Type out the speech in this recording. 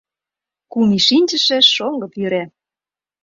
Кум ий шинчыше, шоҥго пӱрӧ